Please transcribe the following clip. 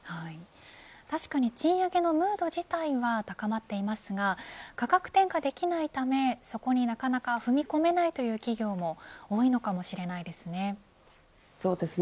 確かに賃上げのムード自体は高まっていますが価格転嫁できないためそこになかなか踏み込めないという企業も多いのかもしれないですね。